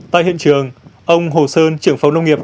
tại hiện trường ông hồ sơn trưởng phòng nông nghiệp